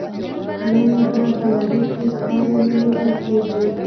نن یې هم په نړۍ کې ساری نه لیدل کیږي.